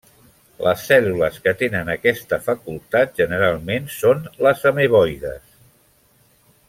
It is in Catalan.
Les cèl·lules que tenen aquesta facultat generalment són les ameboides.